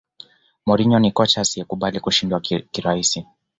mourinho ni kocha asiyekubali kushindwa kirahisi